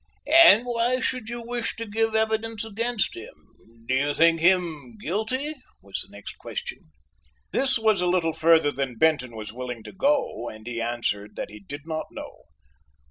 "And why should you wish to give evidence against him? Do you think him guilty?" was the next question. This was a little further than Benton was willing to go, and he answered that he did not know.